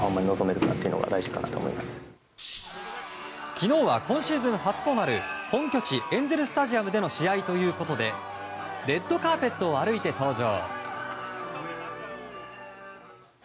昨日は今シーズン初となる本拠地エンゼル・スタジアムでの試合ということでレッドカーペットを歩いて登場。